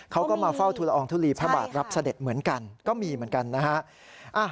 เขาก็มาเฝ้าทุลอองทุลีพระบาทรับเสด็จเหมือนกันก็มีเหมือนกันนะฮะ